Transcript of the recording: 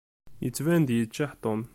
Yettban-d yeččeḥ Tom.